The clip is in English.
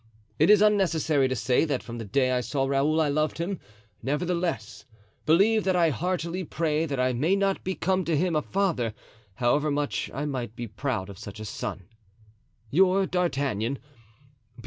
"It is unnecessary to say that from the day I saw Raoul I loved him; nevertheless, believe that I heartily pray that I may not become to him a father, however much I might be proud of such a son. "Your "D'Artagnan.